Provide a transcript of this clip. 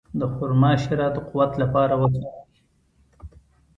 د خرما شیره د قوت لپاره وکاروئ